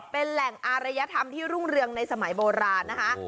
เป็นแหล่งอารยธรรมที่รุ่งเรืองในสมัยโบราณนะคะ